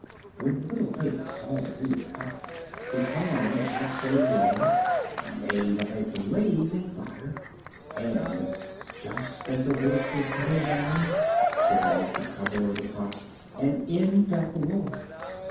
When the little Pig saw what he was about, he hung on the pot full of water, and made up a blazing fire, and, just as the Wolf was coming down, took off the cover of the pot, and in fell the Wolf.